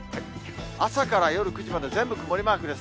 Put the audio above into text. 朝から夜９時まで全部曇りマークです。